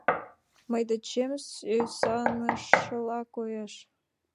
Мый дечем сӱсанышыла коеш.